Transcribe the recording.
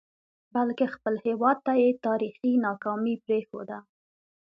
بلکې خپل هیواد ته یې تاریخي ناکامي پرېښوده.